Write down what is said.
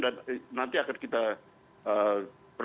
dan nanti akan disampaikan